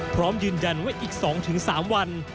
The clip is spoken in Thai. พร้อมยืนยันว่าอีก๒๓วัน